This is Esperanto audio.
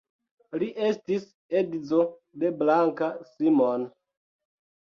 Li estis edzo de Blanka Simon.